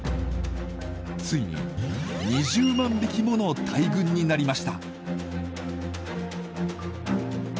ついに２０万匹もの大群になりました。